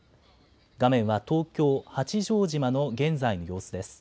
画面は東京・八丈島の現在の様子です。